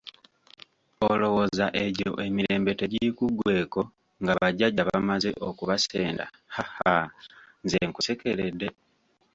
Olowooza egyo emirembe tegikuggweeko nga bajjajja bamaze okubasenda haha nze nkusekeredde?